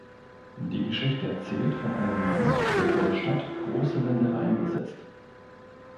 Die Geschichte erzählt von einem Mann, der vor der Stadt große Ländereien besitzt.